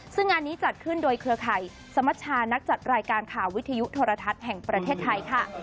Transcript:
ซึ่งงานนี้จัดขึ้นโดยเครือข่ายสมชานักจัดรายการข่าววิทยุโทรทัศน์แห่งประเทศไทยค่ะ